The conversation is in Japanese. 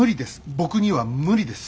僕には無理です。